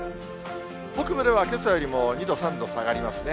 北部ではけさよりも２度、３度下がりますね。